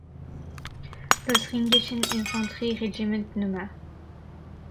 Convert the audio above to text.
Lothringischen Infanterie-Regiment Nr.